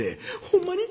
「ほんまに？